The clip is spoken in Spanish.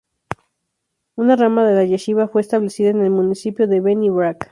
Una rama de la yeshivá fue establecida en el municipio de Bnei Brak.